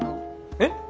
えっ？